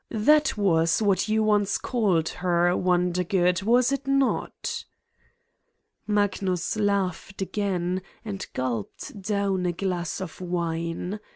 that was what you once called her, Wondergood, was it not?" Magnus laughed again and gulped down a glass of wine.